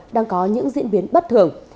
đang có những diễn biến bất thường